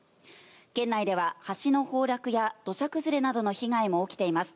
県内では橋の崩落や土砂崩れなどの被害も起きています。